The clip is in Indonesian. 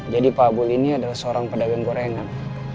jadi pak abul ini adalah seorang pedagang gorengan